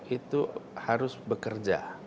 itu harus bekerja